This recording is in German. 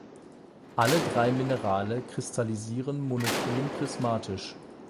Alle drei Minerale kristallisieren monoklin-prismatisch.